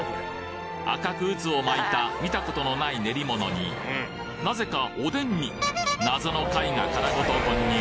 赤く渦を巻いた見たことのない練り物になぜかおでんに謎の貝が殻ごと混入！